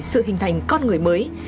sự hình thành con người mới